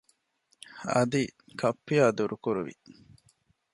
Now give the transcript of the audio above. އަދި ކައްޕިއާ ދުރުކުރުވި